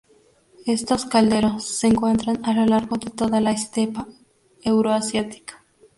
Estos calderos se encuentran a lo largo de toda la estepa euroasiática.